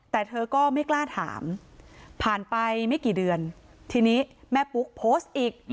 แต่เธอก็ไม่กล้าถามผ่านไปไม่กี่เดือนทีนี้แม่ปุ๊กโพสต์อีก